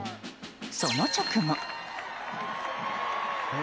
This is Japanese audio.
その直後。